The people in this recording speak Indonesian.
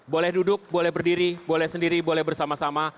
boleh duduk boleh berdiri boleh sendiri boleh bersama sama